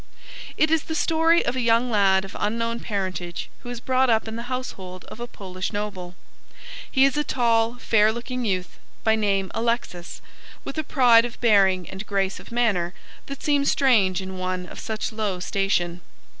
It is the story of a young lad of unknown parentage who is brought up in the household of a Polish noble. He is a tall, fair looking youth, by name Alexis, with a pride of bearing and grace of manner that seem strange in one of such low station.